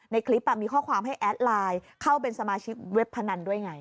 ในคลิปมีข้อความให้แอดไลน์เข้าเป็นสมาชิกเว็บพนันด้วยไง